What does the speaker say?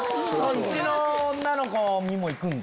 そっちの女の子にもいくんだ。